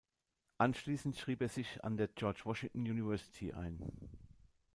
Anschließend schrieb er sich an der George Washington University ein.